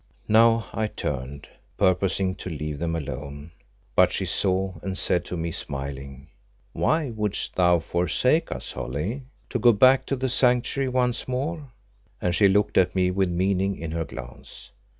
Now I turned, purposing to leave them alone, but she saw, and said to me, smiling "Why wouldst thou forsake us, Holly? To go back to the Sanctuary once more?" and she looked at me with meaning in her glance.